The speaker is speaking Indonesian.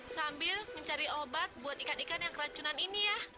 sambil mencari obat buat ikan ikan yang keracunan ini ya